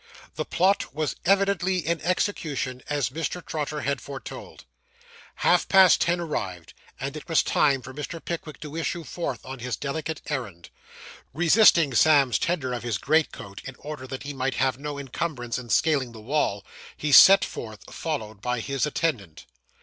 The plot was evidently in execution, as Mr. Trotter had foretold. Half past ten o'clock arrived, and it was time for Mr. Pickwick to issue forth on his delicate errand. Resisting Sam's tender of his greatcoat, in order that he might have no encumbrance in scaling the wall, he set forth, followed by his attendant.